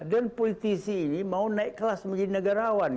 dan politisi ini mau naik kelas menjadi negarawan